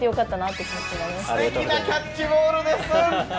すてきなキャッチボールです。